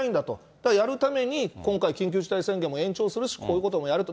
だからやるために今回、緊急事態宣言も延長するし、こういうこともやると。